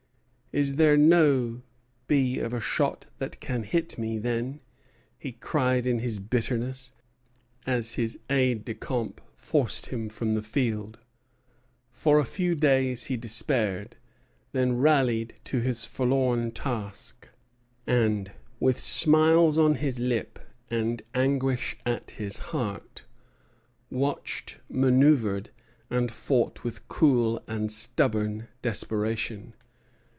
"Is there no b of a shot that can hit me, then?" he cried in his bitterness, as his aides de camp forced him from the field. For a few days he despaired; then rallied to his forlorn task, and with smiles on his lip and anguish at his heart watched, manœuvred, and fought with cool and stubborn desperation.